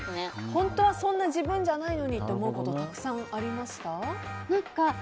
本当はそんな自分じゃないのにと思うことたくさんありました？